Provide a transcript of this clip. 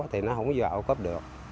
thì nó không có dựa vào ô cớp được